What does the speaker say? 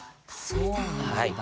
そうなんだ。